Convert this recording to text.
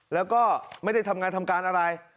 แล้วก็ไม่ได้ทำงานทำการอะไร